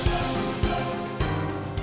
yang dianggap sebagai pembicaraan